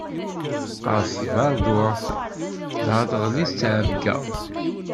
Teqqerṣ tberduɛt, dɣa teɣli tteɛbeyya.